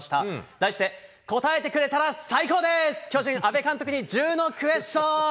題して、答えてくれたら最高です、巨人、阿部監督に１０のクエスチョン。